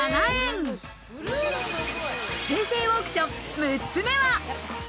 平成オークション６つ目は。